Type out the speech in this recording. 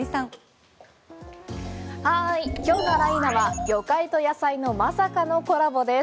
今日のあら、いーな！は魚介と野菜のまさかのコラボです。